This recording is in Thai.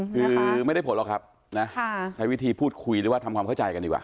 คือไม่ได้ผลหรอกครับนะใช้วิธีพูดคุยหรือว่าทำความเข้าใจกันดีกว่า